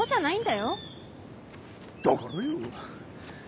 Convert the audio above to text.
だからよ。